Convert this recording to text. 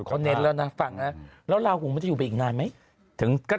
แต่ว่าเรื่องนึงไม่ว่าจะวงการไหนยังไงก็ต้องระวังคือเรื่องสุขภาพ